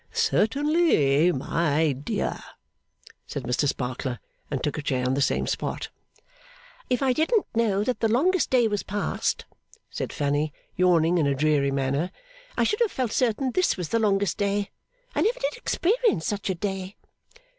'Certainly, my dear,' said Mr Sparkler, and took a chair on the same spot. 'If I didn't know that the longest day was past,' said Fanny, yawning in a dreary manner, 'I should have felt certain this was the longest day. I never did experience such a day.